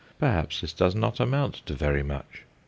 Perhaps this does not amount to very much.